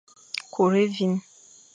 Kur évîn.